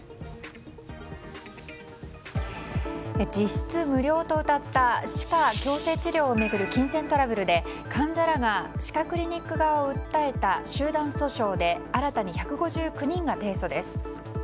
実質無料とうたった歯科矯正治療を巡る金銭トラブルで患者らが歯科クリニック側を訴えた集団訴訟で新たに１５９人が提訴です。